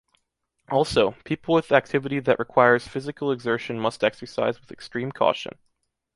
Also, people with activity that requires physical exertion must exercise with extreme caution.